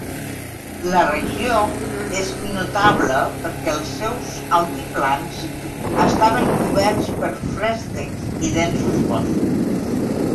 La regió és notable perquè els seus altiplans estaven coberts per feréstecs i densos boscos.